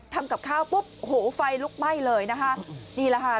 ทำกับข้าวปุ๊บโหไฟลุกไหม้เลยนะคะนี่แหละค่ะ